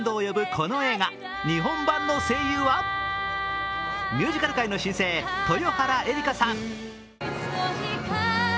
この映画日本版の声優はミュージカル界の新星、豊原江理佳さん。